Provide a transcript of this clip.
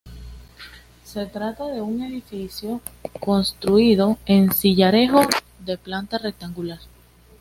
Se trata de un edificio construido en sillarejo de planta rectangular.